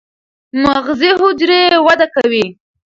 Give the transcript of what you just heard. مغزي حجرې وده کوي.